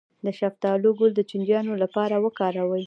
د شفتالو ګل د چینجیانو لپاره وکاروئ